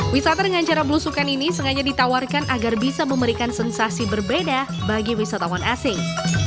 wisata dengan cara belusukan ini sengaja ditawarkan agar bisa memberikan sensasi berbeda bagi wisatawan asing